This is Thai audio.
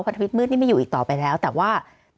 ทวิตมืดนี่ไม่อยู่อีกต่อไปแล้วแต่ว่า